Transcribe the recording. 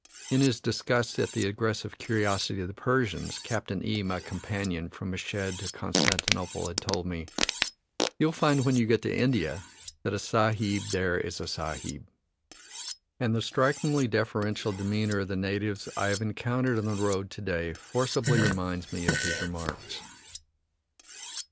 In his disgust at the aggressive curiosity of the Persians, Captain E, my companion from Meshed to Constantinople, had told me, "You'll find, when you get to India, that a Sahib there is a Sahib," and the strikingly deferential demeanor of the natives I have encountered on the road to day forcibly reminds me of his remarks.